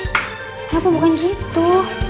kenapa bukan gitu